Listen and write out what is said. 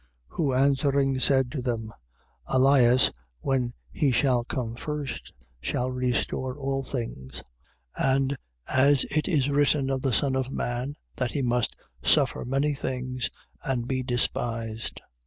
9:11. Who answering, said to then: Elias, when he shall come first, shall restore all things; and as it is written of the Son of man that he must suffer many things and be despised.